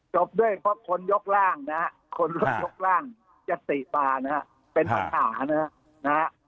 จบด้วยเพราะคนยกร่างนะฮะคนยกร่างยัตติมานะฮะเป็นปัญหานะฮะ